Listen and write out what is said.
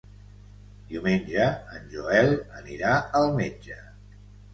Diumenge en Joel anirà al metge.